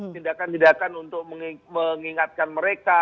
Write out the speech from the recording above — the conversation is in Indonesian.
tindakan tindakan untuk mengingatkan mereka